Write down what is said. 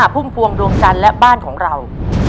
พุ่มพวงดวงจันทร์และบ้านของเรา